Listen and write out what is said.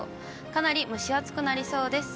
かなり蒸し暑くなりそうです。